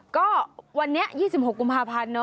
ก็วันนี้๒๖กุมภาพันธ์